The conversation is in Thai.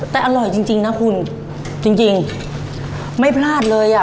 แต่อร่อยจริงจริงนะคุณจริงไม่พลาดเลยอ่ะ